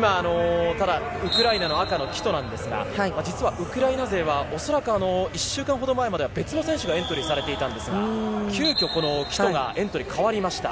ウクライナの赤のキトなんですが、実はウクライナ勢はおそらく１週間ほど前までは別の選手がエントリーされていたんですが、急きょキトがエントリー変わりました。